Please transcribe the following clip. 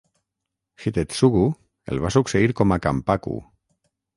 Hidetsugu el va succeir com a "kampaku".